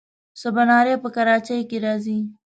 سباناری په کراچۍ کې راغی.